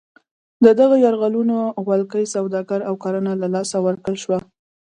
د دغو یرغلګرو ولکې سوداګري او کرنه له لاسه ورکړل شوه.